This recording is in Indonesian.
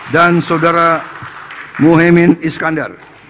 dan saudara muhyiddin mishra